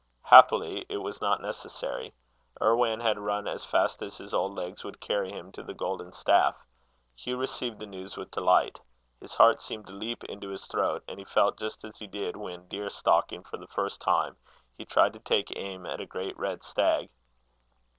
Happily, it was not necessary. Irwan had run as fast as his old legs would carry him to the Golden Staff. Hugh received the news with delight. His heart seemed to leap into his throat, and he felt just as he did, when, deer stalking for the first time, he tried to take aim at a great red stag.